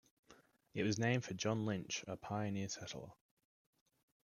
It was named for John Lynch, a pioneer settler.